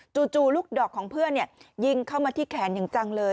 จู่ลูกดอกของเพื่อนยิงเข้ามาที่แขนอย่างจังเลย